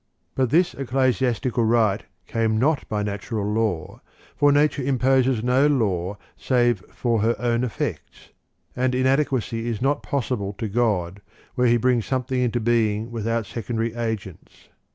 But this ecclesiastical right came not by natural law, for nature imposes no law save for her own effects, and inadequacy is not possible to God where He brings something into being without secondary agents.'